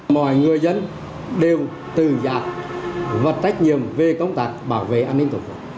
mọi người dân đều tự giác và trách nhiệm về công tác bảo vệ an ninh tổ quốc